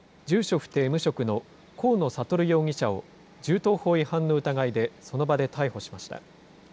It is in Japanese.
不定無職の河野智容疑者を銃刀法違反の疑いでその場で逮捕しました。